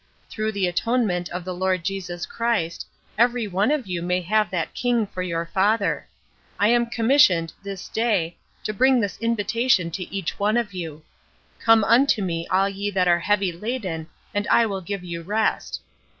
Through the atonement of the Lord Jesus Christ, every one of you may have that King for your father; I am commissioned, this day, to bring this invitation to each one of you; 'Come unto me all ye that are heavy laden, and I will give you rest.'